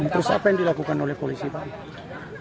terus apa yang dilakukan oleh polisi pak